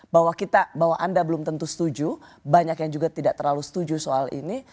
bahwa kita bahwa anda belum tentu setuju banyak yang juga tidak terlalu setuju soal ini